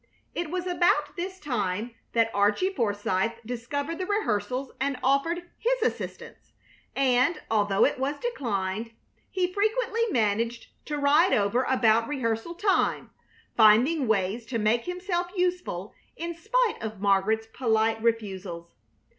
It was about this time that Archie Forsythe discovered the rehearsals and offered his assistance, and, although it was declined, he frequently managed to ride over about rehearsal time, finding ways to make himself useful in spite of Margaret's polite refusals.